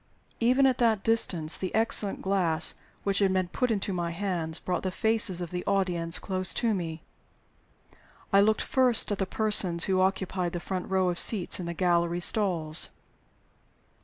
Even at that distance, the excellent glass which had been put into my hands brought the faces of the audience close to me. I looked first at the persons who occupied the front row of seats in the gallery stalls.